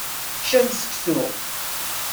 Ččan seksu.